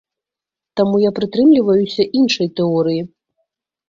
Таму я прытрымліваюся іншай тэорыі.